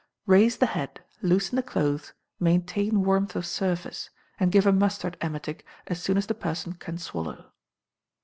Raise the head, loosen the clothes, maintain warmth of surface, and give a mustard emetic as soon as the person can swallow.